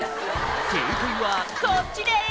「正解はこっちです」